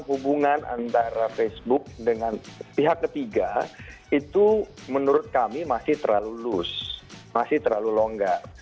hubungan antara facebook dengan pihak ketiga itu menurut kami masih terlalu loose masih terlalu longgar